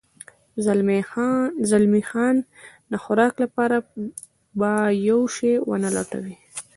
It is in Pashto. زلمی خان د خوراک لپاره به یو شی و نه لټوې؟